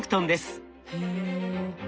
へえ。